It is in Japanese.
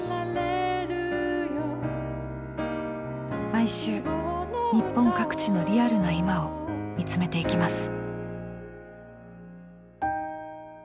毎週日本各地のリアルな今を見つめていきます。